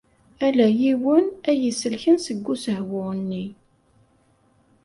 Ala yiwen ay iselken seg usehwu-nni.